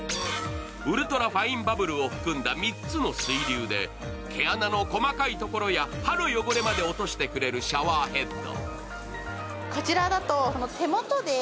ウルトラファインバブルを含んだ３つの水流で毛穴の細かいところや歯の汚れまで落としてくれるシャワーヘッド。